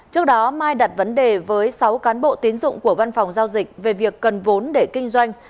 trước đó mai đặt vấn đề với sáu cán bộ tiến dụng của văn phòng giao dịch về việc cần vốn để kinh doanh